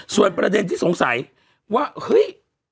ส่วนประเด็นที่สงสัยว่าเฮ้ย